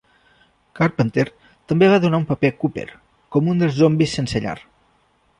Carpenter també va donar un paper a Cooper com un dels zombis sense llar.